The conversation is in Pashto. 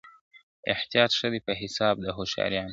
احتیاط ښه دی په حساب د هوښیارانو ,